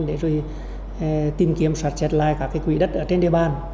để rồi tìm kiểm soát chặt lại cả cái quỹ đất ở trên địa bàn